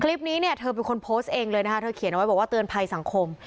คลิปนี้เนี่ยเธอเป็นคนโพสต์เองเลยนะคะเธอเขียนเอาไว้บอกว่าเตือนภัยสังคม